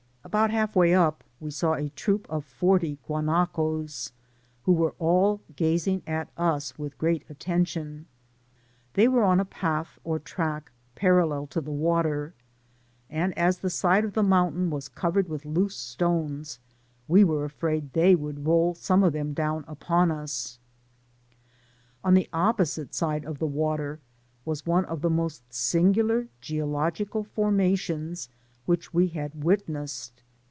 About half way up, we saw a troop of forty guanacos, who were aU gazing at us with great attention. They were on a path, or track, parallel to the Digitized byGoogk THB GREAT CORDILLERA. 153 water, and as the side of the mountain was covered with loose stones, we were afraid they would roll some of them down upon us. On the opposite side of the water, was one of the most singular geological formations which we had witnessed.